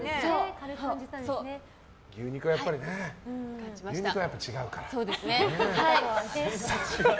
牛肉はやっぱりね違うから。